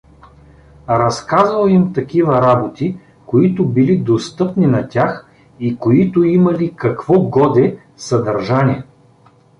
Разказвал им такива работи, които били достъпни на тях и които имали какво-годе съдържание.